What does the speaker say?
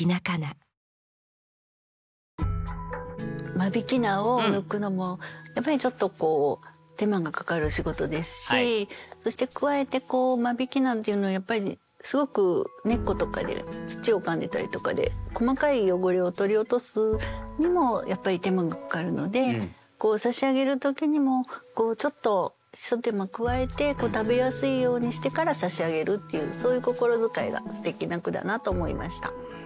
間引菜を抜くのもやっぱりちょっと手間がかかる仕事ですしそして加えて間引菜っていうのはやっぱりすごく根っことかで土をかんでたりとかで細かい汚れを取り落とすにもやっぱり手間がかかるので差し上げる時にもちょっと一手間加えて食べやすいようにしてから差し上げるっていうそういう心遣いがすてきな句だなと思いました。